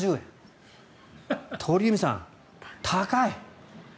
鳥海さん、高い。